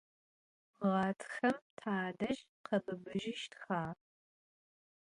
Ğatxem tadej khebıbıjıştxa?